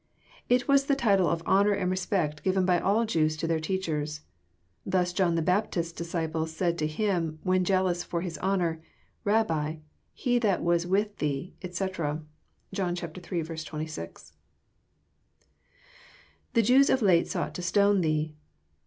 It was the title of honour and respect given by &11 Jews to their teachers. Thus John the Baptist's disciples said to him, when jealous for his honour, *' Rabbi, he that was with thee," etc. (John iii. 26.) [_T7ie Jews of late sought to stone thee.